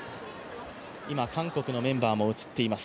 今、韓国のメンバーも映っています。